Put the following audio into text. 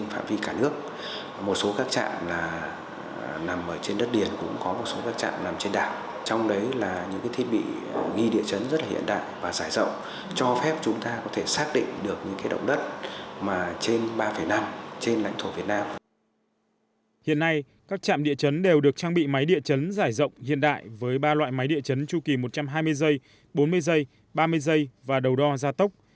hiện nay các trạm địa chấn đều được trang bị máy địa chấn giải rộng hiện đại với ba loại máy địa chấn chu kỳ một trăm hai mươi giây bốn mươi giây ba mươi giây và đầu đo ra tốc